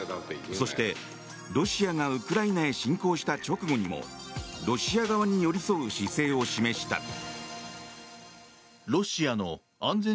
そして、ロシアがウクライナへ侵攻した直後にもロシア側に寄り添う姿勢を示した。